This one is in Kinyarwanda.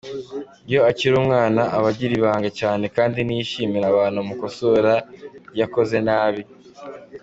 Iyo akiri umwana aba agira ibanga cyane kandi ntiyishimira abantu bamukosora iyo akoze nabi.